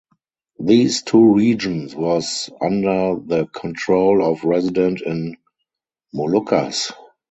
These two regions was under the control of resident in Moluccas.